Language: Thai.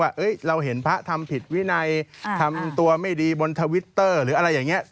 ว่าเราเห็นพระภาพธรรมผิดวินัยทำตัวไม่ดีบนทวิตเตอร์ภาษาอนาจารย์